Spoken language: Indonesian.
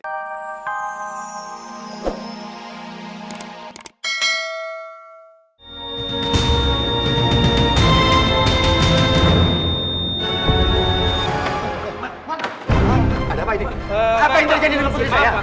apa yang terjadi dengan petri saya